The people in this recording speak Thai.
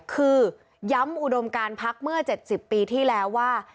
คือย้ำอุดมการพักเมื่อ๗๐ปีที่แล้วว่า